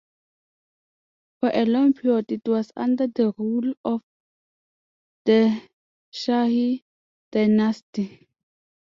For a long period it was under the rule of the Shahi dynasty.